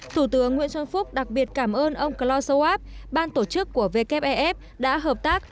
thủ tướng nguyễn xuân phúc đặc biệt cảm ơn ông klaus schwab ban tổ chức của wf đã hợp tác